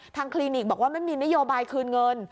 คลินิกบอกว่าไม่มีนโยบายคืนเงิน